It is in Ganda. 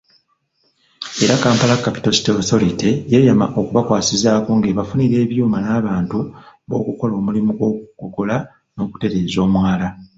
Era Kampala Capital City Authority yeeyama okubakwasizaako ng'ebafunira ebyuma n'abantu b'okukola omulimu gw'okugogola n'okutereeza omwala.